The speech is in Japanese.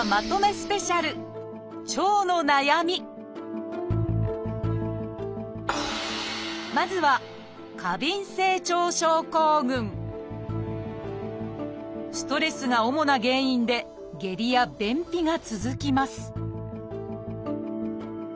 スペシャルまずはストレスが主な原因で下痢や便秘が続きます